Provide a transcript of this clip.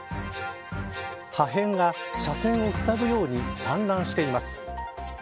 破片が車線をふさぐように散乱しています。